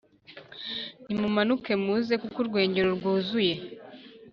nimumanuke muze kuko urwengero rwuzuye